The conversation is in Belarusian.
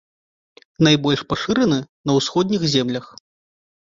Найбольш пашыраны на ўсходніх землях.